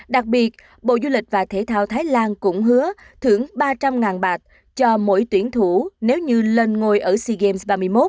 đặc biệt bộ du lịch và thể thao thái lan cũng hứa thưởng ba trăm linh bạt cho mỗi tuyển thủ nếu như lên ngôi ở sea games ba mươi một